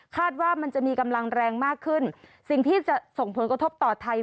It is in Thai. ว่ามันจะมีกำลังแรงมากขึ้นสิ่งที่จะส่งผลกระทบต่อไทย